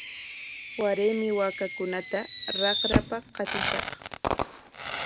Waraymi waakakunata raqrapa qatishaq.